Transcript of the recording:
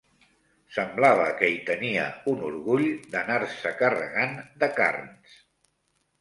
Semblava que hi tenia un orgull d'anar-se carregant de carns.